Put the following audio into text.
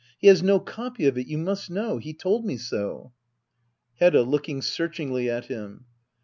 He has no copy of it, you must know ! He told me so. Hedda. [Loo^tfig searchingly at Asm.